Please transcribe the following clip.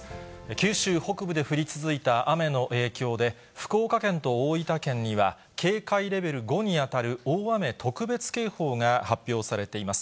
九州北部で降り続いた雨の影響で、福岡県と大分県には、警戒レベル５に当たる大雨特別警報が発表されています。